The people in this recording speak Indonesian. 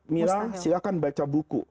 mila silahkan baca buku